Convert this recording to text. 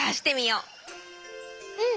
うん。